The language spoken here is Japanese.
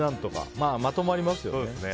まあ、まとまりますよね。